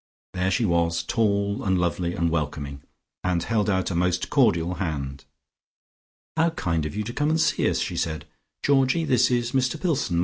There she was, tall and lovely and welcoming, and held out a most cordial hand. "How kind of you to come and see us," she said. "Georgie, this is Mr Pillson.